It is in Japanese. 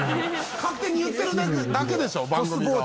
勝手に言ってるだけでしょ番組が。